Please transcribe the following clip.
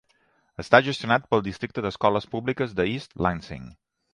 Està gestionat pel districte d'escoles públiques d'East Lansing.